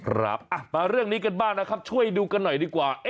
ครับมาเรื่องนี้กันบ้างนะครับช่วยดูกันหน่อยดีกว่า